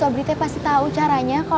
dede pulang dulu assalamualaikum